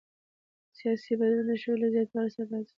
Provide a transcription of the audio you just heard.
سیاسي بدلون د شعور له زیاتوالي سره راځي